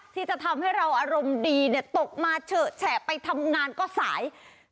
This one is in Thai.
ที่จะทำให้เราอารมณ์ดีตกมาเฉอะแฉะไปทำงานก็สาย